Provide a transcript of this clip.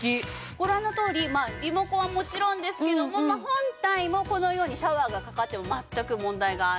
ご覧のとおりリモコンはもちろんですけども本体もこのようにシャワーがかかっても全く問題がない。